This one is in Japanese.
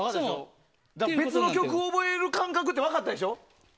別の曲を覚える感覚が分かったでしょ。